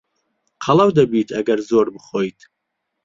قەڵەو دەبیت ئەگەر زۆر بخۆیت.